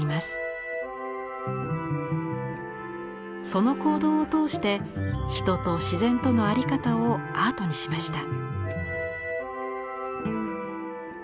その行動を通して人と自然との在り方をアートにしました。